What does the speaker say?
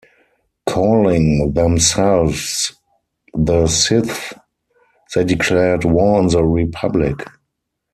Calling themselves the Sith, they declared war on the Republic.